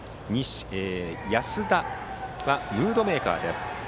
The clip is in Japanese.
保田はムードメーカーです。